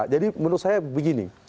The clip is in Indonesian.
jadi menurut saya begini